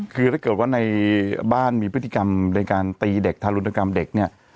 คือถ้าเกิดว่าในบ้านมีพฤติกรรมในการตีเด็กทารุณกรรมเด็กเนี่ย